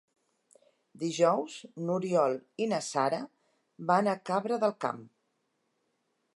Dijous n'Oriol i na Sara van a Cabra del Camp.